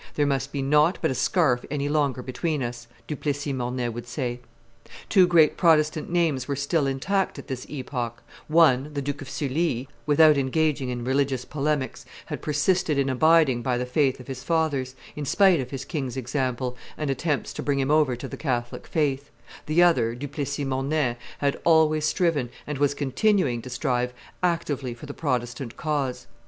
"There must be nought but a scarf any longer between us," Du Plessis Mornay would say. Two great Protestant names were still intact at this epoch: one, the Duke of Sully, without engaging in religious polemics, had persisted in abiding by the faith of his fathers, in spite of his king's example and attempts to bring him over to the Catholic faith: the other, Du Plessis Mornay, had always striven, and was continuing to strive, actively for the Protestant cause.